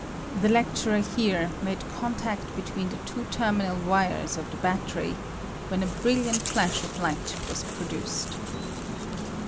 [The lecturer here made contact between the two terminal wires of the battery, when a brilliant flash of hght was pro duced.